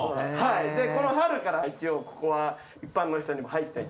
この春から一応ここは一般の人にも入っていただく。